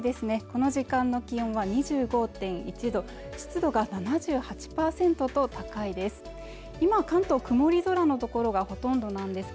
この時間の気温は２５．１度湿度が７８％と高いです